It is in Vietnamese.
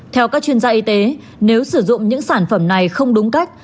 theo các chuyên gia y tế nếu sử dụng những sản phẩm này không đúng cách